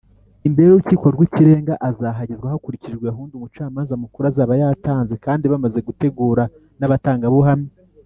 Imbere y’Urukiko rw’ Ikirenga azahagezwa hakurikijwe gahunda umucamanza mukuru azaba yatanze kandi bamaze gutegura n’abatangabuhamya.